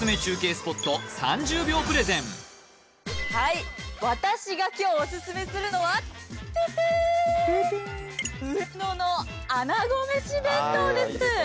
スポット３０秒プレゼンはい私が今日おすすめするのはててーんうえののあなごめし弁当です